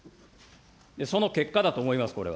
その結果だと思います、これは。